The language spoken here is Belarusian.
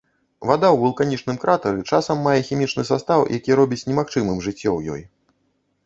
Вада ў вулканічным кратары часам мае хімічны састаў, які робіць немагчымым жыццё ў ёй.